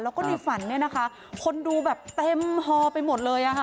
แล้วก็ในฝันเนี่ยนะคะคนดูแบบเต็มฮอไปหมดเลยอ่ะค่ะ